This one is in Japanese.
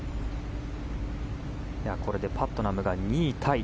これでパットナムが２位タイ。